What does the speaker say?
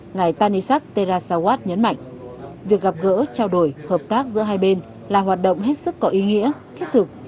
ngài tanisat terasawat nhấn mạnh việc gặp gỡ trao đổi hợp tác giữa hai bên là hoạt động hết sức có ý nghĩa thiết thực